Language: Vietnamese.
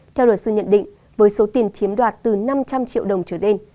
theo luật sư nhận định với số tiền chiếm đoạt từ năm trăm linh triệu đồng trở lên